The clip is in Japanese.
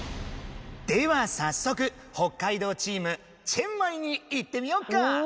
では早速北海道チームチェンマイに行ってみようか。